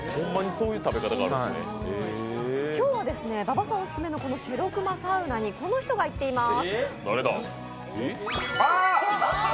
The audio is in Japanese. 今日は馬場さんオススメの、このしぇろくまサウナにこの人が行っています。